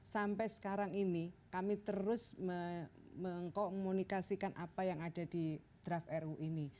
sampai sekarang ini kami terus mengkomunikasikan apa yang ada di draft ru ini